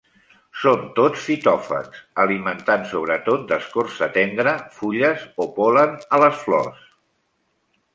Són tots fitòfags, alimentant sobretot d'escorça tendra, fulles o pol·len a les flors.